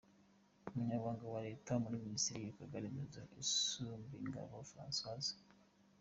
Umunyamabanga wa Leta muri Minisiteri y’ibikorwa Remezo Isumbingabo Francoise.